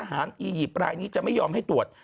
แม้สถานอียิปรายนี้จะไม่ยอมให้ตรวจ